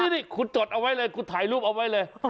นี่คุณจดเอาไว้กูถ่ายรูปเอานี่เลย